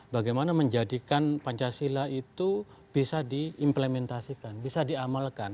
bagaimana menjadikan pancasila itu bisa diimplementasikan bisa diamalkan